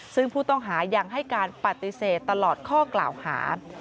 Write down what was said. ซึ่งผู้ต้องหายังให้การปฏิเสธตลอดข้อกล่าวหา